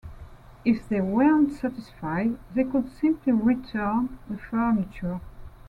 If they weren't satisfied, they could simply return the furniture.